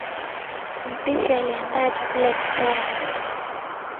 Mpishi aliandaa chakula kitamu